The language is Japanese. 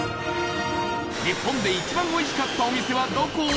日本で一番おいしかったお店はどこ？